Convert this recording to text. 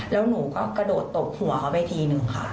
แล้วหนูก็กระโดดตบหัวเขาไปทีนึงค่ะ